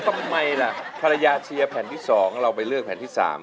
ทำไมล่ะภรรยาเชียร์แผ่นที่๒เราไปเลือกแผ่นที่๓